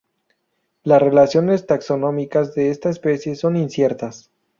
Las relaciones taxonómicas de esta especie son inciertas.